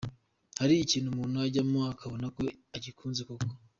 Hari ikintu umuntu ajyamo ukabona ko agikunze koko.